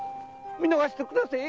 見逃してくだせえ。